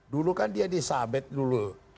dulu kan dia disabet dulu